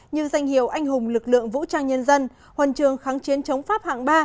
như danh hiệu anh hùng lực lượng vũ trang nhân dân huần trường kháng chiến chống pháp hạng ba